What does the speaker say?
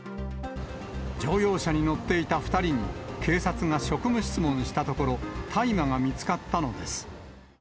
乗用車に乗っていた２人に、警察が職務質問したところ、大麻が見つかったのです。